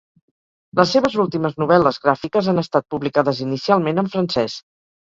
Les seves últimes novel·les gràfiques han estat publicades inicialment en francès.